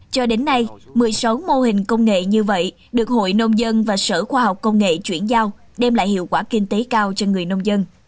cho đến nay một mươi sáu mô hình công nghệ như vậy được hội nông dân và sở khoa học công nghệ chuyển giao đem lại hiệu quả kinh tế cao cho người nông dân